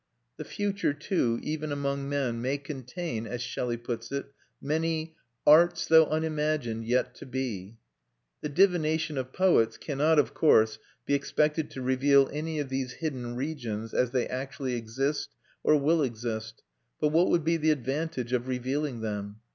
The future, too, even among men, may contain, as Shelley puts it, many "arts, though unimagined, yet to be." The divination of poets cannot, of course, be expected to reveal any of these hidden regions as they actually exist or will exist; but what would be the advantage of revealing them?